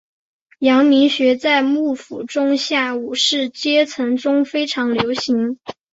阳明学在幕府中下武士阶层中非常流行。